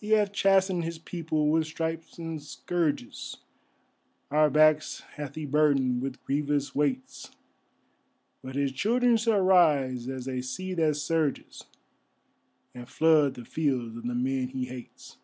He hath chastened His people with stripes and scourges, Our backs hath He burdened with grievous weights, But His children shall rise as a sea that surges, And flood the fields of the men He hates.